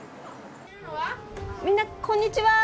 みんな、こんにちは。